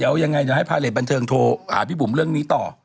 เดี๋ยวยังไงเดี๋ยวให้พาเลสบันเทิงโทรหาพี่บุ๋มเรื่องนี้ต่อ